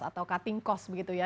atau cutting cost begitu ya